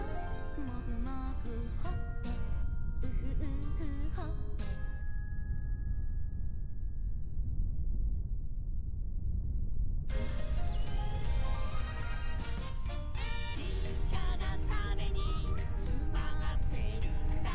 「モグモグほっぺウフウフほっぺ」「ちっちゃなタネにつまってるんだ」